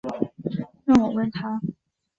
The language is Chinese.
让我问他